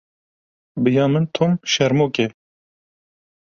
Bi ya min Tom şermok e.